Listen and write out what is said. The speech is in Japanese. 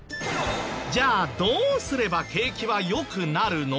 じゃあどうすれば景気は良くなるの？